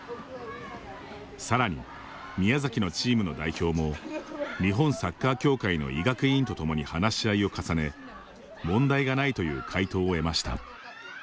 さらに、宮崎のチームの代表も日本サッカー協会の医学委員と共に話し合いを重ね問題がないという回答を得ました。